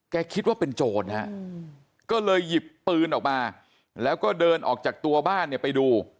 คิดว่าเป็นโจรฮะก็เลยหยิบปืนออกมาแล้วก็เดินออกจากตัวบ้านเนี่ยไปดู